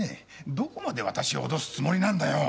どこまで私を脅すつもりなんだよ。